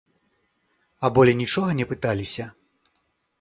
А болей нічога не пыталіся?